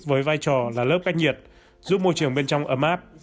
với vai trò là lớp ách nhiệt giúp môi trường bên trong ấm áp